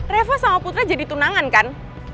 revo sama putra jadi tunangan kan